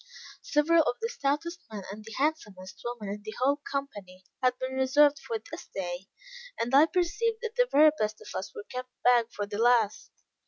Several of the stoutest men and handsomest women in the whole company, had been reserved for this day; and I perceived that the very best of us were kept back for the last.